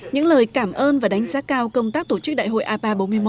những lời cảm ơn và đánh giá cao công tác tổ chức đại hội ipa bốn mươi một